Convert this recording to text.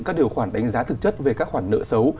các điều khoản đánh giá thực chất về các khoản nợ xấu